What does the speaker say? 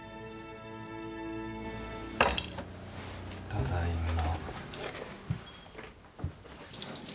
ただいま。